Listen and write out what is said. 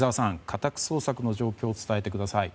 家宅捜索の状況を伝えてください。